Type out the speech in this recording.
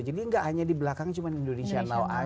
jadi gak hanya di belakang cuman indonesia now aja